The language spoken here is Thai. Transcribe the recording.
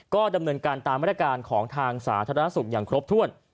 ก็ดำเนินการตามมาตรการของทางสาธารณสุขอย่างครบถ้วน